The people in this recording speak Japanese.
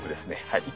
はい。